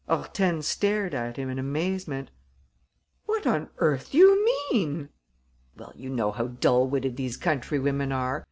Hortense stared at him in amazement: "What on earth do you mean?" "Well, you know how dull witted these countrywomen are.